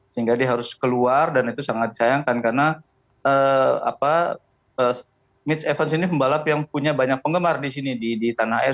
sehingga dia harus keluar dan itu sangat disayangkan karena mitch evans ini pembalap yang punya banyak penggemar di sini di tanah air